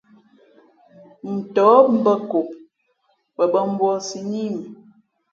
Ntαά mbᾱ ko wen bᾱ mbūᾱsī nā í mʉ.